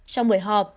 trong buổi họp